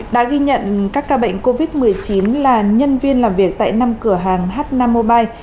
đã ghi nhận các ca bệnh covid một mươi chín là nhân viên làm việc tại năm cửa hàng h năm mobile